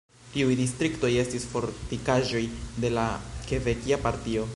Tiuj distriktoj estis fortikaĵoj de la Kebekia Partio.